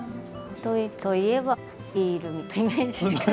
ドイツといえばビールみたいなイメージしか。